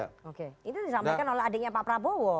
oke itu disampaikan oleh adiknya pak prabowo